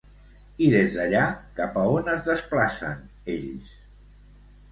I des d'allà cap a on es desplacen, ells?